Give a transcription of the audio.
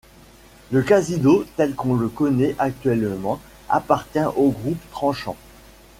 Le casino tel qu’on le connait actuellement appartient au groupe Tranchant.